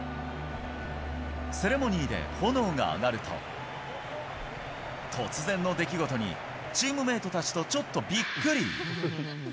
セレモニーで炎が上がると、突然の出来事に、チームメートたちとちょっとびっくり。